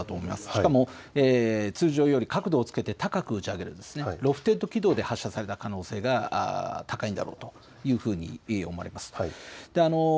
しかも通常より角度をつけて高く打ち上げるロフテッド軌道で発射された可能性が高いだろうというふうに思われます。